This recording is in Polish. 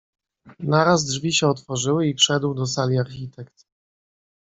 "Naraz drzwi się otworzyły i wszedł do sali architekt."